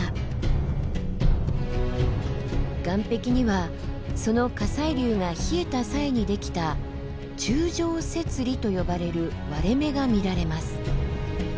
岩壁にはその火砕流が冷えた際にできた柱状節理と呼ばれる割れ目が見られます。